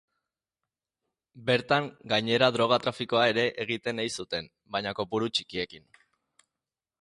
Bertan, gainera, droga-trafikoa ere egiten ei zuten, baina kopuru txikiekin.